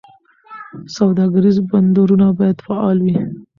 سوداګریز بندرونه باید فعال وي.